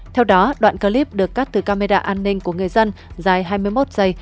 theo đó đoạn clip được cắt từ camera an ninh của người dân dài hai mươi một giây